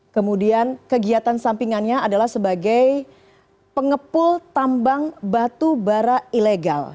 kemudian kegiatan sampingannya adalah sebagai pengepul tambang batu bara ilegal